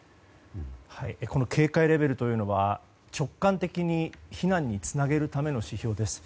この警戒レベルというのは直感的に避難につなげるための指標です。